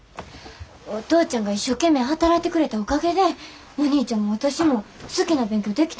お父ちゃんが一生懸命働いてくれたおかげでお兄ちゃんも私も好きな勉強できてんねんで。